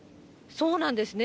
そうなんですね。